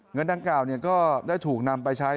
เงินดังกล่าวก็ได้ถูกนำไปใช้